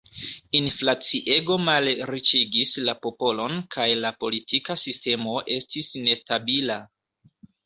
Inflaciego malriĉigis la popolon kaj la politika sistemo estis nestabila.